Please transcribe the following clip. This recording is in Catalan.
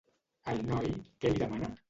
El noi, què li demana?